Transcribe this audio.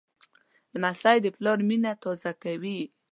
لمسی د پلار مینه تازه کوي.